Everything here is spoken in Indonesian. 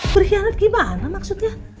berhianat gimana maksudnya